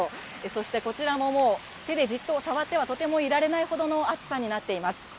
そして、こちらももう、手でずっと触ってはとてもいられないほどの熱さになっています。